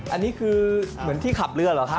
อันนี้คือเหมือนที่ขับเรือเหรอครับ